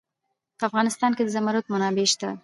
په افغانستان کې د زمرد منابع شته.